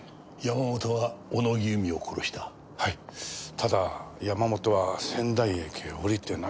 ただ山本は仙台駅で降りてないのは。